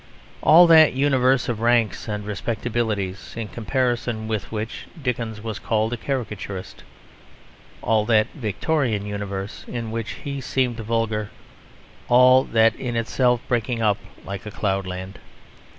All that universe of ranks and respectabilities in comparison with which Dickens was called a caricaturist, all that Victorian universe in which he seemed vulgar all that is itself breaking up like a cloudland.